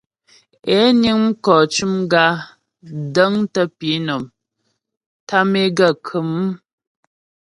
É niŋ mkɔ cʉm gǎ, dəŋtə pǐnɔm, tâm gaə́ khə̌mmm.